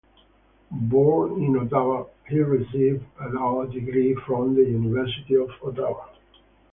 Born in Ottawa, he received a law degree from the University of Ottawa.